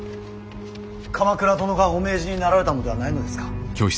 鎌倉殿がお命じになられたのではないのですか。